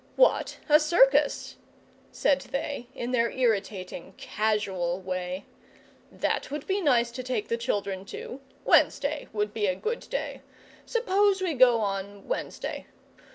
"What, a circus!" said they, in their irritating, casual way: "that would be nice to take the children to. Wednesday would be a good day. Suppose we go on Wednesday.